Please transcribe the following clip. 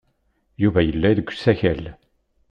Yuba yella deg usakal.